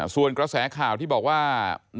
ส่วนกระแสข่าวที่บอกว่า